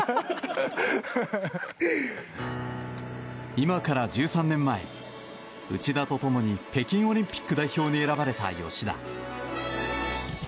今から１３年前内田と共に北京オリンピック代表に選ばれた吉田。